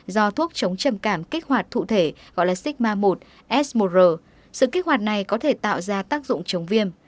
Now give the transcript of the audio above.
do thuốc chống trầm cảm kích hoạt thụ thể gọi là sikma một s một r sự kích hoạt này có thể tạo ra tác dụng chống viêm